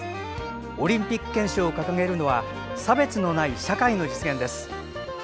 オリンピック憲章が掲げるのは差別のない社会の実現です。